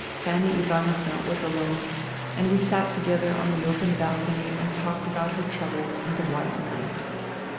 ... Fanny Ivanovna was alone, and we sat together on the open balcony and talked about her troubles in the white night.